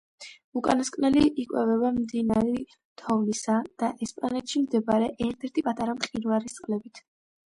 უკანასკნელი იკვებება მდნარი თოვლისა და ესპანეთში მდებარე ერთ-ერთი პატარა მყინვარის წყლებით.